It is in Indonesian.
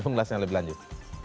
mengulasnya lebih lanjut